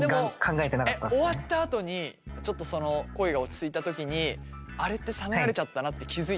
えっでも終わったあとにちょっとその行為が落ち着いた時にあれって冷められちゃったなって気付いた？